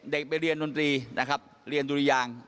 ไปเรียนดนตรีนะครับเรียนดุริยาง